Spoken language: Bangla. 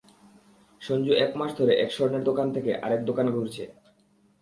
সঞ্জু এক মাস ধরে, এক স্বর্ণের দোকান থেকে আরেক দোকানে ঘুরেছে!